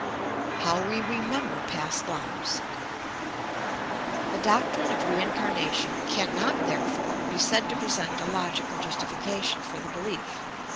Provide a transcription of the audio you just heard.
eOW WE REMEMBER P.\ST LIVES The doctrine of reincarnation cannot, therefore, be said to present a logical justiBeation for the belief.